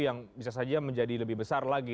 yang bisa saja menjadi lebih besar lagi